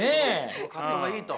その葛藤がいいと。